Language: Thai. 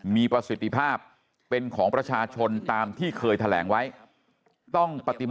มีประสิทธิภาพเป็นของประชาชนตามที่เคยแถลงไว้ต้องปฏิม